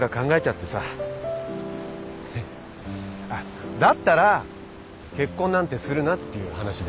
だったら結婚なんてするなっていう話だよね？